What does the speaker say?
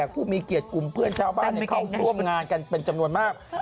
นี่คือกระบวนแหงนาก